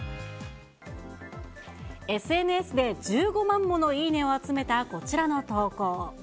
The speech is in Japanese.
ＳＮＳで１５万ものいいねを集めたこちらの投稿。